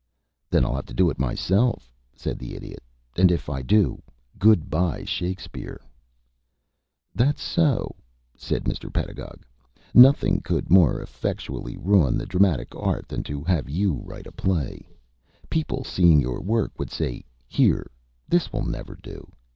"Then I'll have to do it myself," said the Idiot. "And if I do, good bye Shakespeare." "That's so," said Mr. Pedagog. "Nothing could more effectually ruin the dramatic art than to have you write a play. People, seeing your work, would say, here, this will never do.